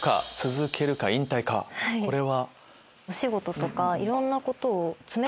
これは？